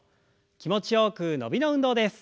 気持ちよく伸びの運動です。